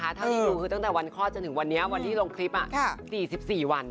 เท่าที่ดูคือตั้งแต่วันคลอดจนถึงวันนี้วันที่ลงคลิป๔๔วัน